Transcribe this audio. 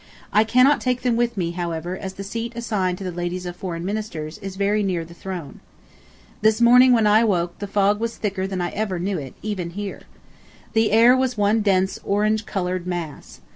... I cannot take them with me, however, as the seat assigned to the ladies of Foreign Ministers is very near the throne. This morning when I awoke the fog was thicker than I ever knew it, even here. The air was one dense orange colored mass.